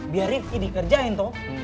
biar rifki dikerjain toh